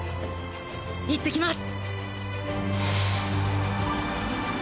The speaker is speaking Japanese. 行ってきます！